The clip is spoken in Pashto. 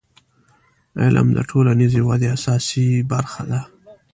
• علم د ټولنیزې ودې اساسي برخه ده.